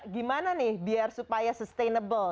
gimana nih biar supaya sustainable